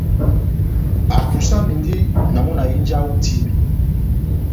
Apusamindi na mɔ́ na hínjaha ó itíbe.